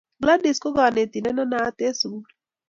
Gladys ko kanetindet ne naat en sukul